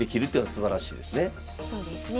そうですね。